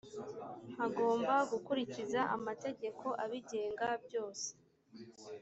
hagomba gukurikiza amategeko abigenga byose